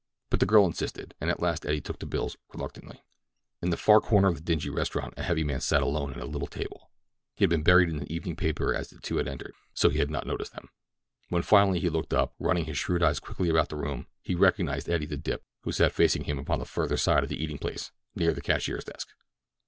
But the girl insisted, and at last Eddie took the bills reluctantly. In the far corner of the dingy restaurant a heavy man sat alone at a little table. He had been buried in an evening paper as the two had entered, so had not noticed them. When finally he looked up, running his shrewd eyes quickly about the room, he recognized Eddie the Dip, who sat facing him upon the farther side of the eating place, near the cashier's desk.